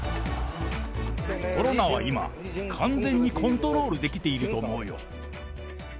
コロナは今、完全にコントロールできていると思うよ。